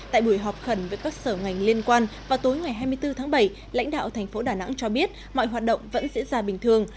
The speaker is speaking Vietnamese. tại buổi họp khẩn với các sở ngành liên quan vào tối ngày hai mươi bốn tháng bảy lãnh đạo thành phố đà nẵng cho biết mọi hoạt động vẫn diễn ra bình thường